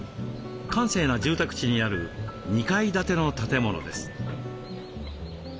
閑静な住宅地にある２階建ての建物です。